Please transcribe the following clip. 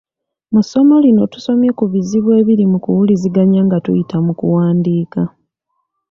Mu ssomo lino tusomye ku bizibu ebiri mu kuwuliziganya nga tuyita mu kuwandiika.